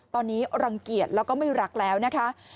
ตอนนี้รังเกียจแล้วก็ไม่รักแล้วนะคะ